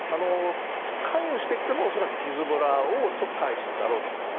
関与してきても恐らくヒズボラを介してだろうと思います。